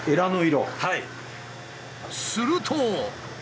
すると。